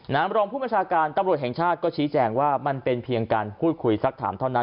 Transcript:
รองผู้บัญชาการตำรวจแห่งชาติก็ชี้แจงว่ามันเป็นเพียงการพูดคุยสักถามเท่านั้น